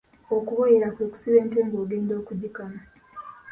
Okuboyera kwe kusiba ente ng’ogenda okugikama.